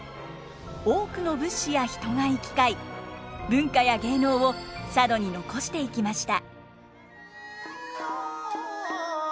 多くの物資や人が行き交い文化や芸能を佐渡に残していきました。